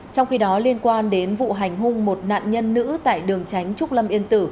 trong khi đó liên quan đến vụ hành hung một nạn nhân nữ tại đường tránh trúc lâm yên tử